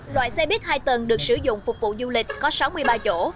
loại xe buýt hai tầng được sử dụng phục vụ du lịch có sáu mươi ba chỗ